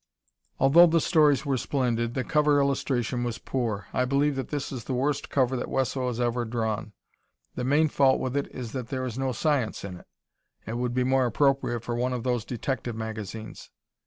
Although the stories were splendid, the cover illustration was poor. I believe that this is the worst cover that Wesso has ever drawn. The main fault with it is that there is no science in it. It would be more appropriate for one of those detective magazines.